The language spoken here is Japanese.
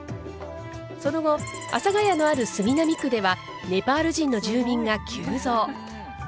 その後阿佐ヶ谷のある杉並区ではネパール人の住民が急増。